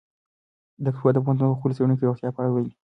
د اکسفورډ پوهنتون په خپلو څېړنو کې د روغتیا په اړه ویلي.